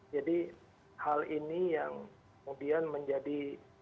jadi hal ini yang kemudian menjadi